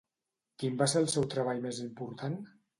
Quin va ser el seu treball més important?